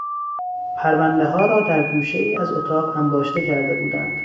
پروندهها را در گوشهای از اتاق انباشته کرده بودند.